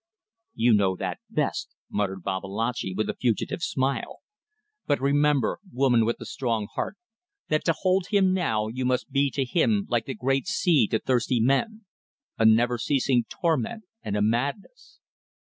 "You know that best," muttered Babalatchi, with a fugitive smile "but remember, woman with the strong heart, that to hold him now you must be to him like the great sea to thirsty men a never ceasing torment, and a madness."